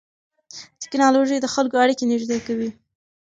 ټیکنالوژي د خلکو اړیکې نږدې کوي.